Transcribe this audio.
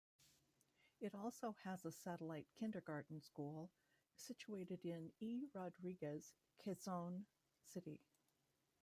It also has a satellite kindergarten school situated in E. Rodriguez, Quezon City.